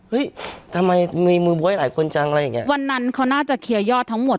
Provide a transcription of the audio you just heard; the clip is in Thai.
ทำไมมีมือบ๊วยหลายคนจังอะไรอย่างเงี้ยวันนั้นเขาน่าจะเคลียร์ยอดทั้งหมด